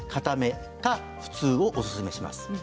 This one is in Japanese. それから普通をおすすめします。